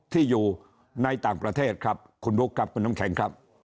ที่อยู่ในต่างประเทศครับคุณบุ๊คครับคุณน้ำแข็งครับ